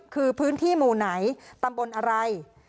คือพื้นที่หมู่ไหนตำบลอะไร